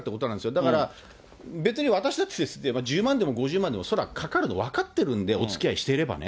だから、別に私でも、１０万でも５０万でも、それは、かかるの分かってるんで、おつきあいしていればね。